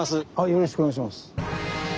よろしくお願いします。